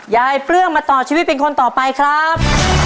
เปลื้องมาต่อชีวิตเป็นคนต่อไปครับ